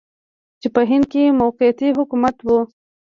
چې په هند کې موقتي حکومت و.